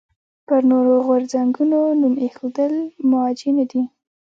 پر نورو غورځنګونو نوم ایښودل موجه نه دي.